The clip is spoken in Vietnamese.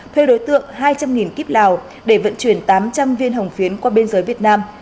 thuê đối tượng hai trăm linh kip lào để vận chuyển tám trăm linh viên hồng phiến qua biên giới việt nam